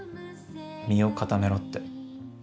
身を固めろって。